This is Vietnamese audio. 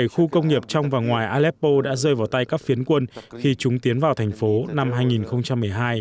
bảy khu công nghiệp trong và ngoài aleppo đã rơi vào tay các phiến quân khi chúng tiến vào thành phố năm hai nghìn một mươi hai